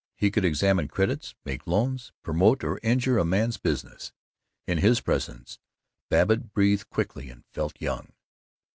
He could examine credits, make loans, promote or injure a man's business. In his presence Babbitt breathed quickly and felt young.